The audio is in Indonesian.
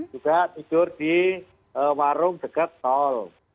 juga tidur di warung dekat tol